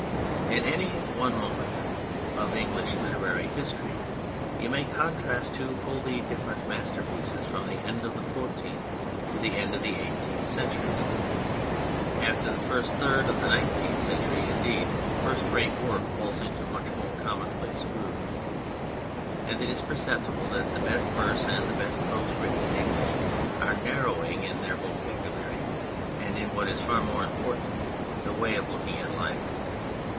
In any one moment of English literary history you may contrast two wholly different masterpieces from the end of the Fourteenth to the end of the Eighteenth Centuries. After the first third of the Nineteenth, indeed, first rate work falls into much more commonplace groove, and it is perceptible that the best verse and the best prose written in English are narrowing in their vocabulary, and, in what is far more important, their way of looking at life.